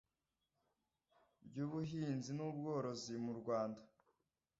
ry ubuhinzi n ubworozi mu rwanda